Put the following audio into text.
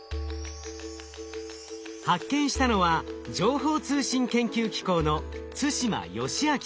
発見したのは情報通信研究機構の對馬淑亮さん。